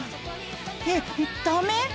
えっダメ？